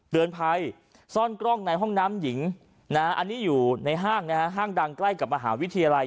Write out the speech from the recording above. เตือนภัยซ่อนกล้องในห้องน้ำหญิงอันนี้อยู่ในห้างนะฮะห้างดังใกล้กับมหาวิทยาลัย